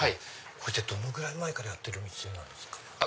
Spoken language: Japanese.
こちらどのぐらい前からやってるお店なんですか？